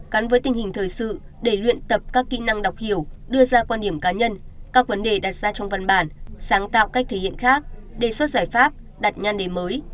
cắn với tình hình thời sự để luyện tập các kỹ năng đọc hiểu đưa ra quan điểm cá nhân các vấn đề đặt ra trong văn bản sáng tạo cách thể hiện khác đề xuất giải pháp đặt nhăn đề mới